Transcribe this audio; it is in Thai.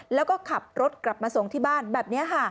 แล้วก็ขับรถกลับมาส่งที่บ้านแบบนี้ค่ะ